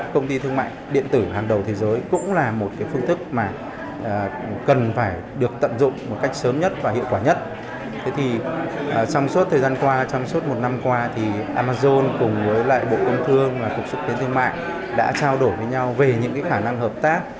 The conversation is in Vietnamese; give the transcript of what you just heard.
cùng với bộ công thương và cục xuất kiến thương mại đã trao đổi với nhau về những khả năng hợp tác